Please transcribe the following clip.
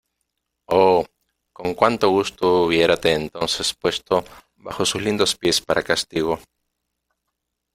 ¡ oh , con cuánto gusto hubiérate entonces puesto bajo sus lindos pies para castigo !